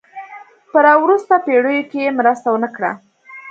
په را وروسته پېړیو کې یې مرسته ونه کړه.